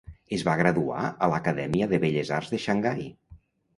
Es va graduar a l'Acadèmia de Belles Arts de Xangai.